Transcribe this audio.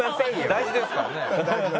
大事ですからね。